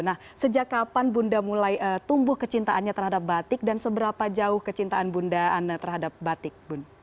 nah sejak kapan bunda mulai tumbuh kecintaannya terhadap batik dan seberapa jauh kecintaan bunda anda terhadap batik bunda